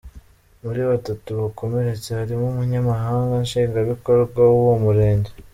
Muri batatu bakomeretse harimo Umunyamabanga nshingwabikorwa w’uwo murenge.